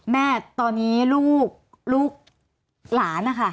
แม่ตอนนี้ลูกลูกหลานนะคะ